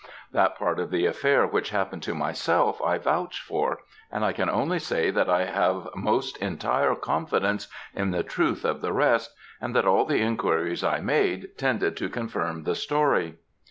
That part of the affair which happened to myself I vouch for; and I can only say that I have most entire confidence in the truth of the rest, and that all the enquiries I made, tended to confirm the story.